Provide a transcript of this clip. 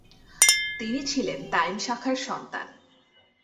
তিনি ছিলেন তাইম শাখার সন্তান।